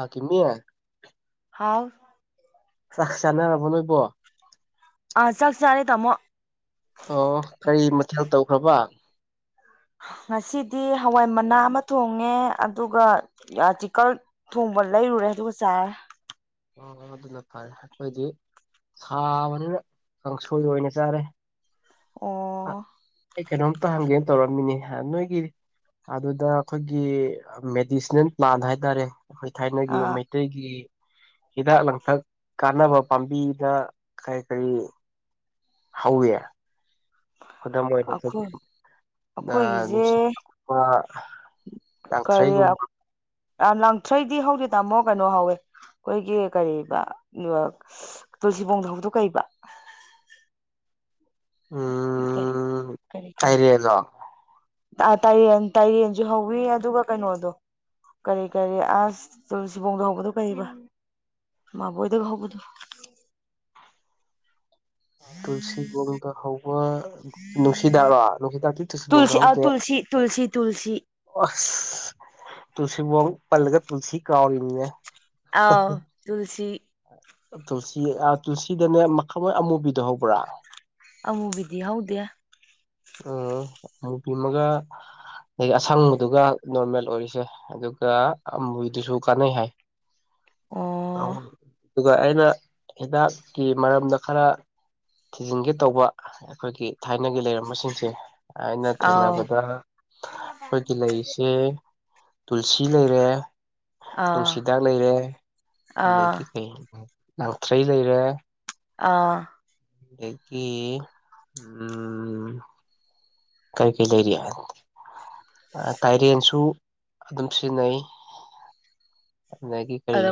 ꯑꯥ ꯀꯗꯦ ꯍꯥꯎ ꯆꯥꯛ ꯆꯥꯅꯔꯕ ꯅꯣꯏꯕꯣ ꯑꯥ ꯆꯥꯛ ꯆꯔꯦ ꯇꯃꯣ ꯑꯣ ꯀꯔꯤ ꯃꯊꯦꯜ ꯇꯧꯈ꯭ꯔꯕ ꯉꯁꯤꯗꯤ ꯍꯋꯥꯏ ꯃꯅꯥ ꯑꯃ ꯊꯣꯡꯉꯦ ꯑꯗꯨꯒ ꯆꯤꯀꯜ ꯊꯣꯡꯕ ꯂꯩꯔꯨꯔꯦ ꯑꯗꯨꯒ ꯆꯥꯔꯦ ꯑꯣ ꯍ ꯑꯗꯨꯅ ꯐꯔꯦ ꯑꯩꯈꯣꯏꯗꯤ ꯁꯥꯕꯅꯤꯅ ꯀꯥꯡꯁꯣꯏ ꯑꯣꯏꯅ ꯆꯥꯔꯦ ꯑꯣ ꯑꯩ ꯀꯩꯅꯣꯝꯇ ꯍꯪꯒꯦꯅ ꯇꯧꯔꯝꯃꯤꯅꯦ ꯅꯣꯏꯒꯤ ꯑꯗꯨꯗ ꯑꯩꯈꯣꯏꯒꯤ ꯃꯦꯗꯤꯁꯤꯅꯦꯜ ꯄ꯭ꯂꯥꯟ ꯍꯥꯏꯇꯥꯔꯦ ꯑꯩꯈꯣꯏ ꯊꯥꯏꯅꯒꯤ ꯑꯥ ꯃꯩꯇꯩꯒꯤ ꯍꯤꯗꯥꯛ ꯂꯥꯡꯊꯛ ꯀꯥꯟꯅꯕ ꯄꯥꯝꯕꯤꯗ ꯀꯔꯤ ꯀꯔꯤ ꯍꯥꯎꯋꯦ ꯈꯨꯗꯝ ꯑꯩꯈꯣꯏ ꯑꯣꯏꯣꯏꯅ ꯑꯩꯈꯣꯏꯒꯤꯁꯦ ꯅꯨꯡꯁꯤꯠ ꯀꯔꯤ ꯌꯥꯥꯡꯊ꯭ꯔꯩꯒꯨꯝꯕ ꯂꯥꯡꯊ꯭ꯔꯩꯗꯤ ꯍꯧꯖꯤꯛ ꯇꯥꯃꯣ ꯀꯩꯅꯣ ꯍꯧꯋꯦ ꯑꯩꯈꯣꯏꯒꯤ ꯀꯔꯤꯕ ꯇꯨꯜꯁꯤꯕꯣꯡ ꯊꯥꯎꯗꯣꯛ ꯀꯩꯕ ꯀꯔꯤ ꯎꯝ ꯀꯔꯤ ꯀꯔꯤ ꯀꯩꯔꯤꯗꯣ ꯇꯥꯏꯔꯦꯟ ꯇꯥꯏꯔꯦꯟꯁꯨ ꯍꯧꯋꯤ ꯑꯗꯨꯒ ꯀꯩꯅꯣꯗꯣ ꯀꯔꯤ ꯀꯔꯤ ꯑꯁ ꯁꯤꯕꯣꯡꯗ ꯍꯒꯗꯧ ꯀꯔꯤꯕ ꯃꯥꯕꯣꯏꯗ ꯍꯧꯕꯗ ꯇꯨꯜꯁꯤꯕꯣꯡꯗ ꯍꯧꯕ ꯅꯨꯡꯁꯤꯗꯥꯥꯛꯔꯣ ꯅꯨꯡꯁꯤꯗꯥꯛꯗꯤ ꯇꯨꯜꯁꯤꯕꯣꯡꯗ ꯇꯨꯜꯁꯤ ꯑꯥ ꯍꯧꯗꯦ ꯇꯨꯜꯁꯤ ꯇꯨꯜꯁꯤ ꯇꯨꯜꯁꯤ ꯑ ꯇꯨꯣ ꯄꯂꯒ ꯇꯨꯁꯤ ꯀꯥꯎꯔꯤ ꯏꯅꯅꯦ ꯑꯥꯎ ꯇꯨꯜꯁꯤ ꯇꯨꯜꯁꯤ ꯇꯨꯜꯁꯤꯗꯅꯦ ꯃꯈꯜꯣꯏ ꯑꯃꯨꯕꯤꯗ ꯍꯧꯕ꯭ꯔꯥ ꯑꯃꯨꯕꯤꯗꯤ ꯍꯧꯗꯦ ꯑꯣꯃꯒ ꯑꯗꯒꯤ ꯑꯁꯪꯕꯗꯨꯒ ꯅꯣꯔꯃꯦꯜ ꯑꯣꯏꯔꯤꯁꯦ ꯑꯗꯨꯒ ꯑꯃꯨꯗꯨꯁꯨ ꯀꯥꯟꯅꯩ ꯍꯥꯏ ꯑ ꯑꯣ ꯑꯗꯨꯒ ꯑꯩꯅ ꯍꯤꯗꯥꯛꯀꯤ ꯃꯔꯝꯗ ꯈꯔ ꯊꯤꯖꯤꯟꯒꯦ ꯇꯧꯕ ꯑꯩꯈꯣꯏꯒꯤ ꯊꯥꯏꯅꯒꯤ ꯂꯩꯔꯝꯕꯁꯤꯡꯁꯦ ꯑꯩꯅ ꯑꯥꯎ ꯊꯦꯡꯅꯕꯗ ꯑꯩꯈꯣꯏꯒꯤ ꯂꯩꯁꯦ ꯇꯨꯜꯁꯤ ꯂꯩꯔꯦ ꯑꯥ ꯅꯨꯡꯁꯤꯗꯥꯛ ꯂꯩꯔꯦ ꯑꯗꯒꯤ ꯑꯥ ꯀꯩ ꯉꯥꯡꯊ꯭ꯔꯩ ꯂꯩꯔꯦ ꯑꯥ ꯎꯝ ꯀꯔꯤ ꯀ ꯂꯩ ꯂꯩꯔꯤꯌꯥ ꯇꯥꯏꯔꯦꯟꯁꯨ ꯑꯗꯨꯝ ꯁꯤꯖꯤꯟꯅꯩ ꯑꯒꯤ ꯀꯔꯤ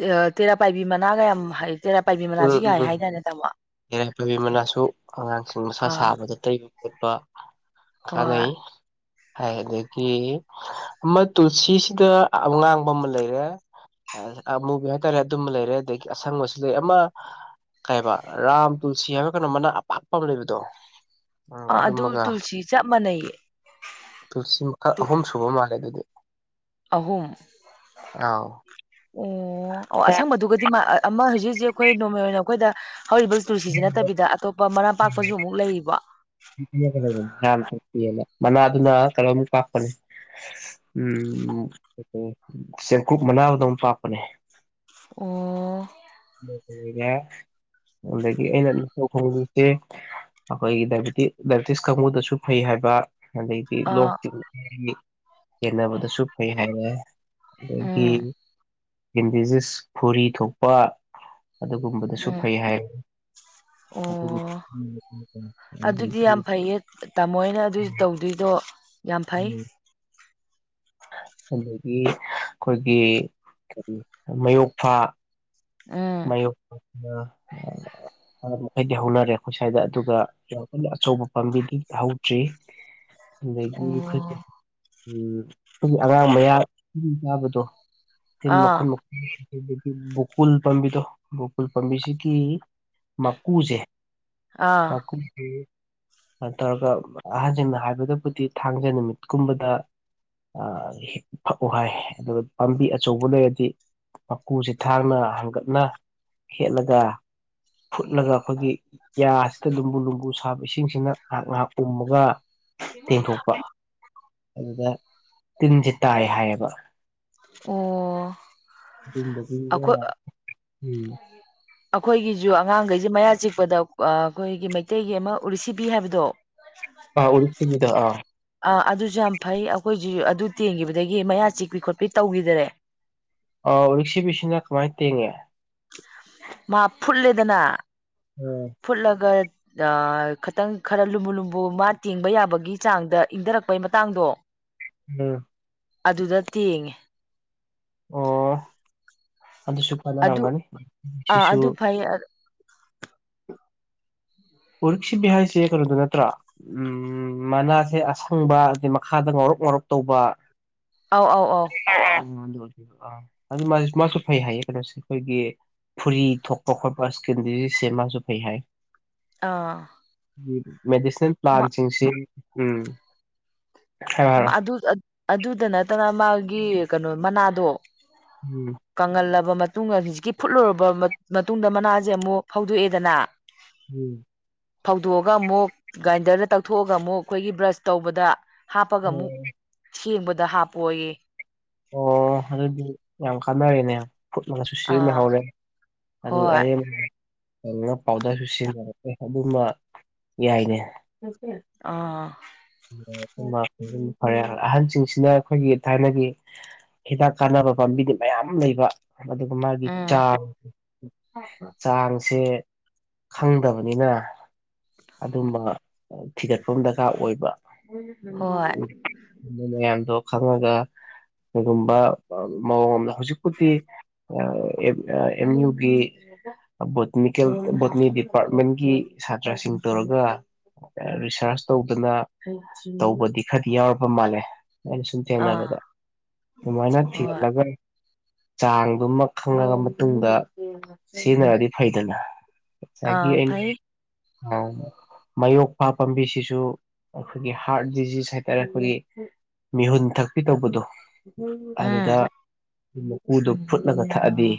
ꯑ ꯇꯦꯔ ꯄꯥꯏꯕꯤꯃꯅꯥꯒ ꯌꯥꯝ ꯍꯥꯏ ꯇꯦꯔꯥ ꯄꯥꯏꯕꯤ ꯃꯅꯥꯁꯨ ꯎꯝ ꯎꯝ ꯌꯥꯏ ꯍꯥꯏꯇꯥꯔꯦ ꯇꯥꯃꯣ ꯏꯔꯥꯏ ꯄꯥꯏꯕꯤ ꯃꯅꯥꯁꯨ ꯑꯉꯥꯡꯁꯤꯡ ꯃꯁꯥ ꯑꯥ ꯁꯥꯕꯗ ꯇꯩꯕ ꯎꯠꯄ ꯍꯣꯏ ꯀꯥꯟꯅꯩ ꯍꯥꯏ ꯑꯗꯒꯤ ꯑꯃ ꯇꯨꯜꯁꯤꯁꯤꯗ ꯑꯉꯥꯡꯕ ꯑꯃ ꯂꯩꯔꯦ ꯑꯃ ꯃꯨꯕꯤ ꯍꯥꯏꯇꯥꯔꯦ ꯑꯗꯨꯝꯕ ꯂꯩꯔꯦ ꯑꯗꯒꯤ ꯑꯁꯪꯕꯁꯨ ꯂꯩ ꯑꯃ ꯀꯩꯕ ꯔꯥꯝ ꯇꯨꯜꯁꯤ ꯍꯥꯏꯕ ꯀꯩꯅꯣ ꯃꯅ ꯑꯄꯥꯛꯄ ꯑꯃ ꯂꯩꯕꯗꯣ ꯑꯣ ꯑꯥ ꯑꯗꯨ ꯑꯗꯨꯃꯒ ꯇꯨꯜꯁꯤ ꯆꯞ ꯃꯥꯟꯅꯩꯌꯦ ꯇꯨꯜꯁꯤ ꯃꯈꯛ ꯑꯍꯨꯝ ꯁꯨꯕ ꯃꯥꯜꯂꯦ ꯑꯗꯨꯗꯤ ꯑꯍꯨꯝ ꯑꯥꯎ ꯑꯣ ꯑꯣ ꯑꯦ ꯑꯁꯪꯕꯗꯨꯒꯗꯤ ꯃꯥ ꯑꯃ ꯍꯧꯖꯤꯛ ꯍꯧꯖꯤꯛ ꯑꯩꯈꯣꯏ ꯅꯣꯔꯃꯦ ꯑꯣꯏꯅ ꯑꯩꯈꯣꯏꯗ ꯍꯧꯔꯤꯕ ꯇꯨꯁꯤꯁꯤ ꯅꯠꯇꯕꯤꯗ ꯑꯇꯣꯞꯄ ꯃꯔꯥꯄꯥꯛꯄꯁꯨ ꯑꯃꯨꯛ ꯂꯩꯕ ꯈꯜꯂꯒ ꯂꯩꯕꯅꯤ ꯍꯥꯔꯥꯝ ꯃꯅꯥꯗꯨꯅ ꯀꯩꯅꯣꯨꯛ ꯀꯥꯞꯄꯅꯦ ꯎꯝ ꯆꯦꯡꯀꯨꯞ ꯃꯅꯥꯕꯗꯣ ꯑꯃ ꯄꯥꯛꯞꯄꯅꯦ ꯑꯣ ꯣꯏꯔꯦ ꯑꯗꯒꯤ ꯑꯩꯅ ꯅꯤꯡ ꯈꯣꯏꯁꯦ ꯑꯩꯈꯣꯏꯒꯤ ꯗꯥꯏꯕꯤꯦꯇꯤꯁ ꯀꯥꯡꯕꯨꯗꯁꯨ ꯐꯩ ꯍꯥꯏꯕ ꯑꯗꯩꯗꯤ ꯑꯥ ꯂꯣꯛꯇꯤꯡꯒꯤ ꯍꯦꯟꯅꯕꯗꯁꯨ ꯐꯩ ꯍꯥꯏꯔꯦ ꯑꯗꯒꯤ ꯎꯝ ꯏꯟꯗꯤꯖꯤꯁ ꯐꯨꯔꯤ ꯊꯣꯛꯄ ꯑꯗꯨꯒꯨꯝꯕꯗꯁꯨ ꯎꯝ ꯐꯩ ꯍꯥꯏ ꯑꯣ ꯑꯗꯨꯗꯤ ꯑꯗꯒꯤ ꯌꯥꯝ ꯐꯩꯌꯦ ꯇꯥꯃꯣꯅ ꯑꯗꯨ ꯇꯧꯗꯣꯏꯗꯣ ꯌꯥꯝ ꯐꯩ [unintelligible] ꯑꯗꯒꯤ ꯑꯩꯈꯣꯏꯒꯤ ꯀꯔꯤ ꯃꯌꯣꯛꯐꯥ ꯃ ꯎꯝ ꯃꯈꯩꯗꯤ ꯍꯧꯅꯔꯦ ꯑꯩꯈꯣꯏ ꯁ꯭ꯋꯥꯏꯗ ꯑꯗꯨꯒ ꯌꯥꯝ ꯀꯟꯅ ꯑꯆꯧꯕ ꯄꯥꯝꯕꯤꯗꯤ ꯍꯧꯗ꯭ꯔꯤ ꯎ ꯑꯗꯒꯤ ꯑꯩꯈꯣꯏ ꯎꯝ ꯑꯩꯈꯣꯏꯒꯤ ꯑꯉꯥꯡ ꯃꯌꯥ ꯈꯨ ꯆꯥꯕꯗꯣ ꯃꯛ ꯑꯥ ꯃ ꯕꯨꯀꯨꯜ ꯎꯜ ꯄꯥꯝꯕꯤꯗꯣ ꯎꯐꯨꯜ ꯄꯥꯝꯕꯤꯁꯤꯒꯤ ꯃꯀꯨꯁꯦ ꯑꯥ ꯃꯀ ꯇꯧꯔꯒ ꯑꯍꯟꯁꯤꯡꯅ ꯍꯥꯏꯕꯗꯕꯨꯗꯤ ꯊꯥꯡꯖꯦ ꯅꯨꯃꯤꯠꯀꯨꯝꯕꯗ ꯐꯛꯎ ꯍꯥꯏ ꯑꯗꯨꯒ ꯄꯥꯝꯕꯤ ꯑꯆꯧꯕ ꯂꯩꯔꯗꯤ ꯃꯀꯨꯁꯤ ꯊꯥꯡꯅ ꯍꯥꯡꯒꯠꯅ ꯍꯦꯠꯂꯒ ꯐꯨꯠꯂꯒ ꯑꯩꯈꯣꯏꯒꯤ ꯌꯥꯁꯤꯗ ꯂꯨꯝꯕꯨ ꯂꯨꯝꯕꯨ ꯁꯥꯕ ꯏꯁꯤꯡꯁꯤꯅ ꯉꯥꯏꯍꯥꯛ ꯉꯥꯏꯍꯥꯛ ꯄꯨꯝꯃꯒ ꯇꯦꯡꯊꯣꯛꯄ ꯑꯗꯨꯗ ꯇꯤꯟꯁꯦ ꯇꯥꯏ ꯍꯥꯏꯌꯦꯕ ꯑꯣ ꯇꯤꯟꯗꯒꯤꯒ ꯑꯩꯈꯣꯏ ꯎꯝ ꯑꯩꯈꯣꯏꯒꯤꯁꯨ ꯑꯉꯥꯡꯈꯩꯁꯦ ꯃꯌꯥ ꯆꯤꯛꯄꯗ ꯑꯩꯈꯣꯏꯒꯤ ꯃꯩꯇꯩꯒꯤ ꯑꯃ ꯎꯔꯤꯁꯤꯕꯤ ꯍꯥꯏꯕꯗꯣ ꯑ ꯎ ꯆꯗ ꯑ ꯑꯥ ꯑꯗꯨꯁꯨ ꯌꯥꯝ ꯐꯩ ꯑꯩꯈꯣꯏꯁꯨ ꯑꯗꯨ ꯇꯦꯡꯈꯤꯕꯗꯒꯤ ꯃꯌꯥ ꯆꯤꯛꯄꯤ ꯈꯣꯠꯄꯤ ꯇꯧꯈꯤꯗꯔꯦ ꯑ ꯔꯤꯛꯁꯤꯕꯤꯁꯤꯅ ꯀꯃꯥꯏꯅ ꯇꯦꯡꯉꯦ ꯃꯥ ꯐꯨꯠꯂꯦꯗꯅ ꯎꯝ ꯐꯨꯠꯂꯒ ꯈꯤꯇꯪ ꯈꯔ ꯂꯨꯝꯕꯨꯨ ꯂꯨꯝꯕꯨ ꯃꯥ ꯇꯦꯡꯕ ꯌꯥꯕꯒꯤ ꯆꯥꯡꯗ ꯏꯪꯊꯔꯛꯄꯩ ꯃꯇꯥꯡꯗꯣ ꯎꯝ ꯑꯗꯨꯗ ꯇꯦꯡꯉꯦ ꯑꯣ ꯑꯗꯨꯁꯨ ꯑꯗꯨ ꯀꯅꯔꯝꯒꯅꯤ ꯑꯥ ꯁꯤꯁꯨ ꯑꯗꯨ ꯐꯩ ꯎꯔꯤꯛ ꯁꯤꯕꯤ ꯍꯥꯏꯁꯦ ꯀꯩꯅꯣꯗꯣ ꯅꯠꯇ꯭ꯔꯣ ꯎꯝ ꯃꯅꯥꯁꯦ ꯑꯁꯪꯕ ꯑꯗꯤ ꯃꯈꯥꯗ ꯉꯧꯔ ꯋꯥꯣꯛ ꯋꯥꯔꯞ ꯇꯧꯕ ꯑꯥꯎ ꯑꯥꯎ ꯑꯥꯎ ꯎ ꯑ ꯃꯥꯁꯨ ꯐꯩ ꯍꯥꯏꯌꯦ ꯀꯩꯅꯣꯁꯦ ꯑꯩꯈꯣꯏꯒꯤ ꯐꯨꯔꯤ ꯊꯣꯛꯄ ꯈꯣꯠꯄ ꯁ꯭ꯀꯤꯦꯟꯗꯔꯤꯁꯦ ꯃꯥꯁꯨ ꯐꯩ ꯍꯥꯏ ꯑꯥ ꯃꯦꯗꯤꯁꯤꯅꯦꯜ ꯄ꯭ꯂꯥꯟꯁꯤꯡꯁꯤ ꯎꯝ ꯍꯥꯏꯔꯣ ꯍꯥꯏꯔꯣ ꯑꯗꯨꯗ ꯅꯠꯇꯅ ꯃꯥꯒꯤ ꯀꯩꯅꯣ ꯃꯅꯥꯗꯣ ꯎꯝ ꯀꯪꯒꯜ ꯂ ꯃꯇꯨꯡ ꯍꯧꯖꯤꯛꯀꯤ ꯐꯨꯠꯂꯨꯔꯕ ꯃꯇꯨꯡ ꯃꯇꯨꯡꯗ ꯃꯅꯥꯁꯦ ꯑꯃꯨꯛ ꯐꯧꯗꯣꯛꯑꯦꯗꯅ ꯐꯧꯗꯣꯛꯑꯒ ꯑꯃꯨꯛ ꯒ꯭ꯔꯥꯏꯟꯗꯔꯗ ꯇꯛꯊꯣꯛꯑꯒ ꯑꯃꯨꯛ ꯑꯩꯈꯣꯏꯒꯤ ꯕ꯭ꯔꯁ ꯇꯧꯕꯗ ꯍꯥꯞꯄꯒ ꯑꯃꯨꯛ ꯎꯝ ꯁꯦꯡꯕꯗ ꯍꯥꯞꯄꯌꯦ ꯑꯣ ꯑꯗꯨꯗꯤ ꯌꯥꯝ ꯀꯥꯟꯅꯔꯤꯦꯅꯦ ꯐꯨꯠꯁꯨ ꯑꯥ ꯁꯤꯖꯤꯟꯅꯍꯧꯔꯦ ꯑꯗꯨ ꯍꯣꯏ ꯑꯔꯦꯝꯕ ꯑꯗꯨꯅ ꯄꯥꯎꯗꯔꯁꯨ ꯁꯤꯖꯤꯟꯅꯔꯀꯦ ꯑꯗꯨꯝꯕ ꯌꯥꯏꯅꯦ ꯑꯣꯀ ꯑꯥ ꯐꯔꯦ ꯑꯍꯜꯁꯤꯡꯁꯤꯅ ꯑꯩꯈꯣꯏꯒꯤ ꯊꯥꯏꯅꯒꯤ ꯍꯤꯗꯥꯛ ꯀꯥꯟꯅꯕ ꯄꯥꯝꯕꯤꯗꯤ ꯃꯌꯥꯝ ꯑꯃ ꯂꯩꯕ ꯑꯗꯨꯒ ꯃꯥꯒꯤ ꯎꯝ ꯆꯥ ꯆꯥꯡꯁꯦ ꯈꯪꯗꯕꯅꯤꯅ ꯑꯗꯨꯝꯕ ꯊꯤꯒꯠꯐꯝ ꯗꯔꯀꯥꯔ ꯑꯣꯏꯕ ꯍꯣꯏ ꯃꯌꯥꯝꯗꯣ ꯈꯪꯉꯒ ꯀꯩꯒꯨꯝꯕ ꯃꯑꯣꯡ ꯑꯃꯗ ꯍꯧꯖꯤꯛꯄꯨꯗꯤ ꯑꯦꯝ ꯌꯨꯒꯤ ꯕꯣꯇꯅꯤꯀꯦꯜ ꯕꯣꯇꯅꯤ ꯗꯤꯄꯥꯔꯠꯃꯦꯟꯒꯤ ꯁꯥꯇ꯭ꯔꯁꯤꯡ ꯇꯧꯔꯒ ꯔꯤꯁꯥꯔꯁ ꯇꯧꯗꯅ ꯇꯧꯕꯗꯤ ꯈꯔꯗꯤ ꯌꯥꯎꯔꯕ ꯃꯥꯜꯂꯦ ꯑꯩꯅ ꯁꯨꯝ ꯊꯦꯡꯅꯕꯗ ꯑꯥ ꯑꯗꯨꯃꯥꯏꯅ ꯍꯣꯏ ꯊꯤꯒꯜꯂꯒ ꯆꯥꯡꯗꯨꯃ ꯈꯪꯉꯕ ꯃꯇꯨꯡꯗ ꯁꯤꯖꯤꯟꯅꯔꯗꯤ ꯐꯩꯗꯅ ꯒꯤ ꯑꯥ ꯐꯩ ꯃꯌꯣꯛꯄ ꯄꯥꯝꯕꯤꯁꯤꯁꯨ ꯑꯩꯈꯣꯏꯒꯤ ꯍꯥꯔꯠ ꯗꯤꯖꯤꯖ ꯍꯥꯏꯇꯥꯔꯦ ꯑꯩꯈꯣꯏꯒꯤ ꯃꯤꯍꯨꯟ ꯊꯛꯄꯤ ꯇꯧꯕꯗꯣ ꯑꯗꯨꯗ ꯎꯝ ꯃꯀꯨꯗꯨ ꯐꯨꯠꯂꯒ ꯊꯛꯑꯗꯤ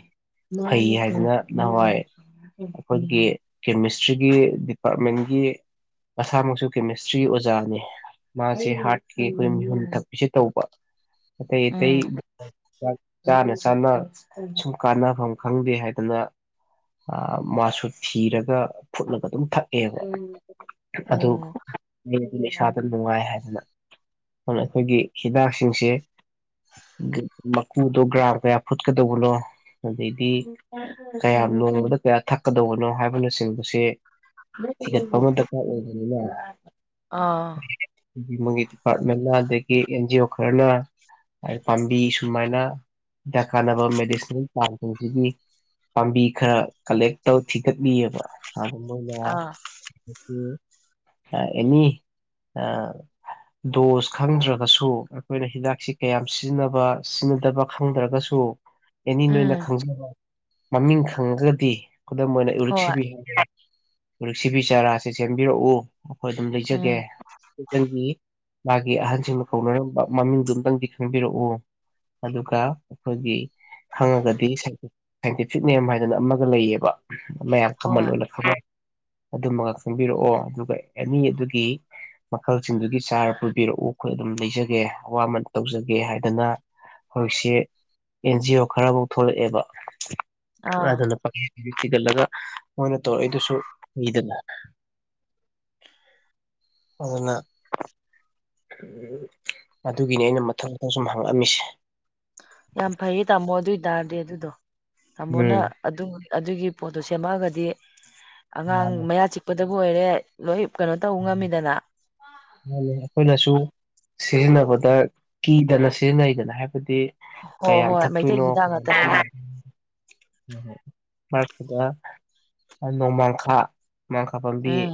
ꯐꯩ ꯍꯥꯏꯗꯅ ꯅꯍꯥꯟꯋꯥꯏ ꯑꯩꯈꯣꯏꯒꯤ ꯀꯦꯃꯤꯁꯇ꯭ꯔꯤꯒꯤ ꯗꯤꯄꯥꯔꯠꯃꯦꯟꯒꯤ ꯃꯁꯥꯃꯛꯁꯨ ꯀꯦꯃꯤꯁꯇ꯭ꯔꯤ ꯑꯣꯖꯥꯅꯤ ꯃꯥꯁꯦ ꯍꯥꯔꯠꯀꯤ ꯑꯩꯈꯣꯏ ꯃꯤꯍꯨꯟ ꯊꯛꯄꯤꯁꯦ ꯇꯧꯕ ꯑꯇꯩ ꯑꯇꯩ ꯎꯝ ꯆꯥꯅ ꯆꯥꯅ ꯁꯨꯝ ꯀꯥꯟꯅꯐꯝ ꯈꯪꯗꯦ ꯍꯥꯏꯗꯅ ꯃꯥꯁꯨ ꯊꯤꯔꯒ ꯐꯨꯠꯂꯒ ꯑꯗꯨꯝ ꯊꯛꯑꯦꯕ ꯑꯗꯨ ꯑꯣ ꯑꯩꯅ ꯏꯁꯥꯗ ꯅꯨꯡꯉꯥꯏ ꯍꯥꯏꯗꯅ ꯑꯗꯨꯅ ꯑꯩꯈꯣꯏꯒꯤ ꯍꯤꯗꯥꯛꯁꯤꯡꯁꯦ ꯀꯨꯗꯒ꯭ꯔꯥꯔ ꯄ ꯐꯨꯠꯀꯦꯗꯣꯒꯂꯣ ꯑꯗꯩꯗꯤ ꯀꯌꯥꯝ ꯅꯣꯡꯃꯗ ꯀꯌꯥ ꯊꯛꯀꯗꯧꯕꯅꯣ ꯍꯥꯏꯕꯅꯆꯤꯡꯕꯁꯦ ꯃꯗꯅꯤ ꯑꯥ ꯑꯩꯒꯤ ꯃꯒꯤ ꯗꯤꯄꯥꯔꯠꯃꯦꯟꯅ ꯑꯗꯒꯤ ꯑꯦꯟ ꯖꯤ ꯑꯣ ꯈꯔꯅ ꯄꯥꯝꯕꯤ ꯁꯨꯃꯥꯏꯅꯗ ꯀꯥꯟꯅꯕ ꯃꯦꯗꯤꯁꯤꯅꯦꯜ ꯄ꯭ꯂꯥꯟꯁꯤꯡꯁꯤꯒꯤ ꯄꯥꯝꯕꯤ ꯈꯔ ꯀꯂꯦꯛ ꯇꯧ ꯊꯤꯒꯠꯂꯤꯑꯕ ꯑꯗꯨ ꯃꯣꯏꯅ ꯑ ꯑꯥ ꯑꯦꯅꯤ ꯗꯣꯁ ꯈꯪꯗ꯭ꯔꯒꯁꯨ ꯑꯩꯈꯣꯏꯅ ꯍꯤꯗꯥꯛꯁꯤ ꯀꯌꯥꯝ ꯁꯤꯖꯤꯟꯅꯕ ꯁꯤꯖꯤꯟꯅꯗꯕ ꯈꯪꯗ꯭ꯔꯒꯁꯨ ꯑꯦꯅꯤ ꯅꯣꯏꯅ ꯎꯝ ꯈꯪꯖꯕ ꯃꯃꯤꯡ ꯈꯪꯉꯒꯗꯤ ꯈꯨꯗꯝ ꯑꯣꯏꯅ ꯍꯣꯏ ꯏꯔꯤꯛꯁꯤꯕꯤ ꯍꯧꯖꯤꯛ ꯁꯤꯕꯤ ꯆꯥꯔꯥꯁꯦ ꯁꯦꯝꯕꯤꯔꯛꯎ ꯑꯩꯈꯣꯏ ꯑꯗꯨꯝ ꯂꯩꯖꯒꯦ ꯎꯝ ꯃꯥꯒꯤ ꯑꯍꯟꯁꯤꯡꯅ ꯀꯧꯅꯔꯝꯕ ꯃꯃꯤꯡꯗꯨ ꯑꯨꯇꯪꯗꯤ ꯈꯪꯕꯤꯔꯛꯎ ꯑꯗꯨꯒ ꯑꯩꯈꯣꯏꯒꯤ ꯈꯪꯉꯒꯗꯤ ꯁꯥꯏꯟꯇꯤꯐꯤꯛ ꯅꯦꯝ ꯍꯥꯏꯗꯅ ꯑꯃꯒ ꯂꯩꯌꯦꯕ ꯃꯌꯥꯝ ꯀꯃꯟ ꯍꯣꯏ ꯑꯣꯏꯅ ꯐꯪꯉꯦ ꯑꯗꯨꯃꯒ ꯈꯪꯕꯤꯔꯛꯑꯣ ꯑꯗꯨꯒ ꯑꯦꯅꯤ ꯑꯗꯨꯒꯤ ꯃꯈꯜꯁꯤꯡꯗꯨꯒꯤ ꯆꯥꯔ ꯄꯨꯕꯤꯔꯛꯎ ꯑꯩꯈꯣꯏ ꯑꯗꯨꯝ ꯂꯩꯖꯒꯦ ꯑꯋꯥꯃꯟ ꯇꯧꯖꯒꯦ ꯍꯥꯏꯗꯅ ꯍꯧꯖꯤꯛꯁꯦ ꯑꯦꯟꯖꯤ ꯑꯣ ꯈꯔꯐꯧ ꯊꯣꯛꯂꯛꯑꯦꯕ ꯑꯗꯨ ꯑꯥ ꯑꯗꯨꯅꯄ ꯊꯤꯒꯠꯂꯒ ꯃꯣꯏꯅ ꯇꯧꯔꯛꯏꯗꯨꯁꯨ ꯃꯤꯗꯅ ꯑꯗꯨꯅ ꯑꯗꯨꯒꯤꯅꯤ ꯑꯩꯅ ꯃꯊꯛ ꯃꯊꯪ ꯁꯨꯝ ꯍꯪꯉꯛꯑꯝꯃꯤꯁꯦ ꯌꯥꯝ ꯐꯩꯌꯦ ꯇꯥꯃꯣ ꯑꯗꯨ ꯑꯣꯏꯇꯥꯔꯗꯤ ꯑꯗꯨꯗꯣ ꯇꯥꯃꯣꯅ ꯎꯝ ꯑꯗꯨ ꯑꯗꯨꯒꯤ ꯄꯣꯠꯇꯣ ꯁꯦꯝꯃꯛꯑꯒꯗꯤ ꯑꯉꯥꯡ ꯃꯥꯅꯤ ꯃꯌꯥ ꯆꯤꯛꯄ ꯑꯗꯨꯕꯨ ꯑꯣꯏꯔꯦ ꯂꯣꯏ ꯀꯩꯅꯣ ꯇꯧꯕ ꯉꯝꯃꯤꯗꯅ ꯃꯥ ꯑꯩꯈꯣꯏꯅꯁꯨ ꯁꯤꯖꯤꯟꯅꯕꯗ ꯀꯤꯗꯅ ꯁꯤꯖꯤꯟꯅꯩꯗꯅ ꯍꯥꯏꯕ ꯑꯗꯨꯗꯤ ꯍꯣꯏ ꯀꯌꯥꯝ ꯍꯣꯏ ꯃꯩꯇꯩ ꯊꯛꯇꯣꯏꯅꯣ ꯍꯤꯗꯥꯛ ꯀꯌꯥꯝ ꯉꯥꯛꯇꯅꯤꯅ ꯎ ꯃꯥꯗ ꯅꯣꯃꯥꯡꯈꯥ ꯃꯥꯡꯈꯥ ꯄꯥꯝꯕꯤ ꯎꯝ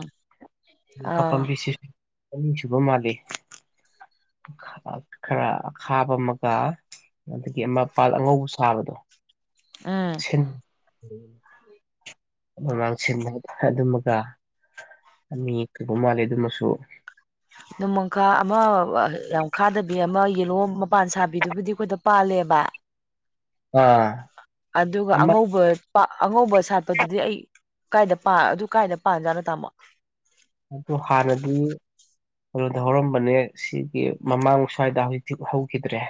ꯃꯥꯡꯈꯥ ꯑꯥ ꯄꯥꯝꯕꯤꯁꯤꯁꯨ ꯑꯅꯤ ꯁꯨꯕ ꯃꯥꯜꯂꯤ ꯈꯔ ꯑ ꯈꯥꯕ ꯑꯃꯒ ꯑꯗꯒꯤ ꯑꯃꯄꯥꯜ ꯑꯉꯧꯕ ꯁꯥꯕꯗꯣ ꯎꯝ ꯁ ꯃꯃꯥꯡꯁꯤꯟ ꯑꯗꯨꯃꯒ ꯑꯅꯤ ꯇꯧꯕꯧ ꯃꯥꯜꯂꯤ ꯑꯗꯨꯃꯁꯨ ꯅꯣꯡꯃꯪꯈꯥ ꯑꯃ ꯌꯥꯝꯈꯥꯗꯕꯤ ꯑꯃ ꯌꯦꯜꯂꯣ ꯃꯄꯥꯟ ꯁꯥꯕꯤꯗꯨꯕꯨꯗꯤ ꯑꯩꯈꯣꯏꯗ ꯄꯥꯜꯜꯂꯤ ꯂꯦꯕ ꯑꯥ ꯑꯗꯨꯒ ꯑꯃ ꯑꯉꯧꯕ ꯑꯉꯧꯕ ꯁꯥꯠꯄꯗꯨꯗꯤ ꯑꯩ ꯀꯥꯏꯗ ꯑꯗꯨ ꯀꯥꯏꯗ ꯄꯥꯟꯖꯥꯠꯅꯣ ꯇꯥꯃꯣ ꯑꯗꯨꯗ ꯍꯧꯔꯝꯕꯅꯦ ꯁꯤꯒꯤ ꯃꯃꯥꯡ ꯁ꯭ꯋꯥꯏꯗ ꯍꯧꯖꯤꯛꯇ ꯍꯧꯤꯛ ꯍꯧꯈꯤꯗ꯭ꯔꯦ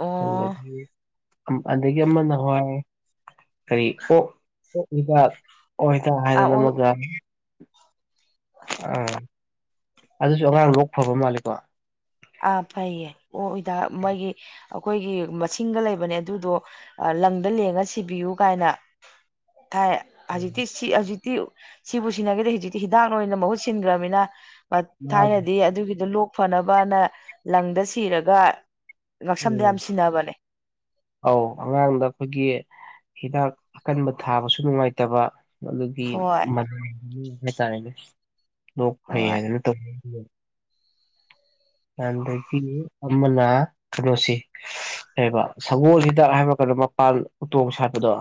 ꯑꯣ ꯑꯗꯒꯤ ꯑꯃ ꯑꯃ ꯅꯍꯣꯏ ꯀꯔꯤ ꯑꯣꯛ ꯑꯣꯛ ꯍꯤꯇꯥ ꯑꯣ ꯍꯤꯇꯥ ꯑꯥ ꯍꯥꯏꯗꯅ ꯑꯣ ꯑꯃꯀ ꯑꯥ ꯑꯗꯨꯁꯨ ꯑꯉꯥꯡ ꯂꯣꯛ ꯐꯕ ꯃꯥꯜꯂꯦꯀꯣ ꯑꯥ ꯐꯩꯌꯦ ꯑꯣ ꯎꯗ ꯃꯣꯏꯒꯤ ꯑꯩꯈꯣꯏꯒꯤ ꯃꯁꯤꯡꯒ ꯂꯩꯕꯅꯦ ꯑꯗꯨꯗꯣ ꯂꯪꯗ ꯂꯦꯡꯉ ꯁꯤꯕꯤꯌꯨ ꯀꯥꯏꯅ [inaudible] ꯊꯥꯏ ꯍꯧꯖꯤꯛꯇꯤ ꯁꯤ ꯍꯧꯖꯤꯛꯇꯤ ꯁꯤꯕꯨ ꯁꯤꯟꯅꯈꯤꯦꯗꯦ ꯍꯧꯖꯤꯛꯇꯤ ꯍꯤꯗꯥꯛ ꯑꯣꯏꯅ ꯃꯍꯨꯠ ꯁꯤꯟꯈ꯭ꯔꯕꯅꯤꯅ ꯃꯥꯅꯦ ꯊꯥꯏꯅꯗꯤ ꯑꯗꯨꯒꯤꯗꯨꯣ ꯂꯣꯛ ꯐꯅꯕꯅ ꯂꯪꯗ ꯁꯤꯔꯒ ꯉꯛꯁꯝꯗ ꯎꯝ ꯌꯥꯝ ꯁꯤꯟꯅꯕꯅꯦ ꯑꯧ ꯑꯉꯥꯡꯗ ꯑꯩꯈꯣꯏꯒꯤ ꯍꯤꯗꯥꯛ ꯑꯀꯟꯕ ꯊꯥꯕꯁꯨ ꯅꯨꯡꯉꯥꯏꯇꯕ ꯑꯗꯨꯒꯤ ꯍꯣꯏ ꯍꯥꯏꯇꯥꯔꯦꯅꯦ ꯂꯣꯛ ꯐꯩ ꯍꯣꯏ ꯍꯥꯏꯗꯅ ꯇꯧꯕ ꯆꯗ ꯑꯃꯅ ꯇꯂꯣꯁꯤ ꯂꯩꯕ ꯁꯒꯣꯜ ꯍꯤꯗꯥꯛ ꯍꯥꯏꯕ ꯀꯩꯅꯣ ꯃꯄꯥꯟ ꯎꯇꯣꯡ ꯁꯥꯠꯄꯗꯣ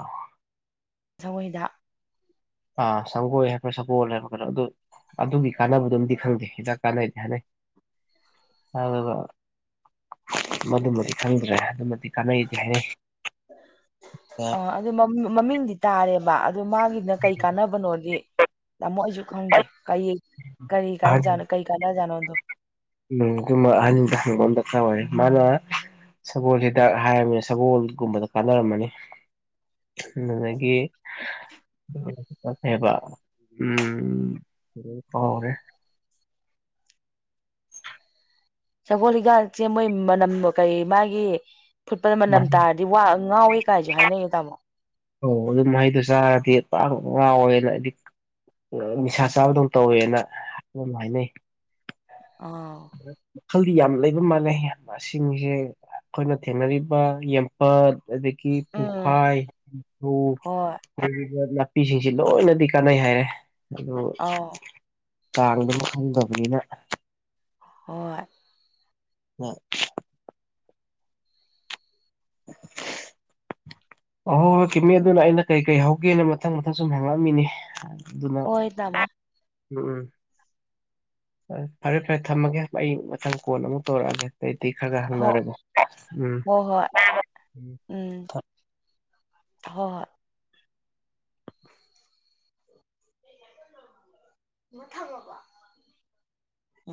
ꯁꯖꯑꯣꯣꯏꯗ ꯑꯥ ꯁꯒꯣꯜ ꯍꯥꯏꯕ꯭ꯔ ꯁꯒꯣꯜ ꯍꯥꯏꯕ ꯈꯔꯣ ꯑꯗꯨ ꯑꯗꯨꯒꯤ ꯀꯥꯟꯅꯕꯗꯨꯝꯗꯤ ꯈꯪꯗꯦ ꯍꯤꯗꯥꯛ ꯀꯥꯟꯅꯩꯗꯤ ꯍꯥꯏꯅꯩ ꯑꯗꯨ ꯃꯗꯨꯃꯗꯤ ꯈꯪꯗ꯭ꯔꯦ ꯑꯗꯨꯃꯗꯤ ꯀꯃꯦꯥꯏ ꯏꯗꯤ ꯍꯥꯏꯔꯦ ꯑꯥ ꯑꯗꯨ ꯃꯃꯤꯡꯗꯤ ꯇꯥꯔꯦꯕ ꯑꯗꯣ ꯃꯥꯒꯤꯅ ꯀꯩ ꯀꯥꯟꯅꯕꯅꯣꯗꯤ ꯇꯥꯃꯣ ꯑꯩꯁꯨ ꯈꯪꯗꯦ ꯀꯔꯤ ꯀꯔꯤ ꯀꯥꯏꯖꯥꯅꯣ ꯀꯔꯤ ꯀꯥꯟꯅꯖꯥꯠꯅꯣꯗꯣ ꯍꯥꯏꯅꯤꯗꯟꯗ ꯇ ꯃꯥꯅ ꯁꯒꯣꯜꯁꯤꯗ ꯍꯥꯏꯔꯕꯃꯤꯅ ꯁꯒꯣꯜꯒꯨꯝꯕꯗ ꯀꯥꯟꯅꯔꯝꯃꯅꯤ ꯃꯒꯗꯒꯤ ꯕ ꯎꯝꯔꯦ ꯁꯒꯣꯜ ꯍꯤꯀ ꯆꯦ ꯃꯣꯏ ꯃꯅꯝ ꯀꯩ ꯃꯥꯒꯤ ꯐꯨꯠꯄꯗ ꯃꯅꯝ ꯃꯍꯩ ꯇꯥꯔꯗꯤ ꯋꯥ ꯉꯥꯎꯋꯦ ꯀꯥꯏꯁꯨ ꯍꯥꯏꯅꯉꯦ ꯇꯥꯃꯣ ꯋꯥ ꯑꯣꯏꯂ ꯅꯤꯁꯥ ꯆꯥꯕꯗꯧ ꯇꯧꯋꯦꯅꯝ ꯍꯥꯏꯅꯩ ꯑꯥ ꯃꯈꯜꯗꯤ ꯌꯥꯝ ꯂꯩꯕ ꯃꯥꯜꯂꯦ ꯃꯁꯤꯁꯦ ꯑꯩꯈꯣꯏꯅ ꯊꯦꯡꯅꯔꯤꯕ ꯌꯦꯦꯝꯄꯠ ꯑꯦꯗꯒꯤꯗꯒꯤ ꯎꯝ ꯄꯨꯐꯥꯏꯧ ꯍꯣꯏ ꯅꯥꯄꯤꯁꯤꯡꯁꯤ ꯂꯣꯏꯅꯗꯤ ꯀꯥꯟꯅꯩ ꯍꯥꯏꯔꯦ ꯑꯗꯨ ꯑꯥꯎ ꯆꯥꯡꯗꯨꯝ ꯈꯪꯗꯕꯅꯤꯅ ꯍꯣꯏ ꯎꯣꯏ ꯑꯍꯣꯏ ꯍꯣꯏ ꯀꯤꯃꯤ ꯑꯗꯨꯅ ꯑꯩꯅ ꯀꯩ ꯀꯩ ꯍꯧꯒꯦꯅ ꯃꯊꯪ ꯃꯊꯪ ꯁꯨꯝ ꯍꯦꯟꯉꯛꯑꯃꯤꯅꯤ ꯍꯣꯏꯗꯃꯣ ꯎꯝ ꯎꯝ ꯍ ꯐꯔꯦ ꯐꯔꯦ ꯊꯝꯃꯒꯦ ꯑꯩ ꯃꯊꯪ ꯀꯣꯟ ꯑꯃꯨꯛ ꯇꯧꯔꯛꯑꯒꯦ ꯑꯩꯗꯤ ꯈꯔ ꯈ ꯍꯣ ꯍꯪꯅꯔꯒꯦ ꯎꯝ ꯍꯣꯏ ꯍꯣꯏ ꯎꯝ ꯍꯣꯏ ꯍꯣꯏ ꯃꯊ ꯕꯥ